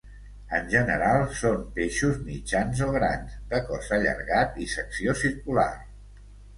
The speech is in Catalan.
En general són peixos mitjans o grans, de cos allargat i secció circular.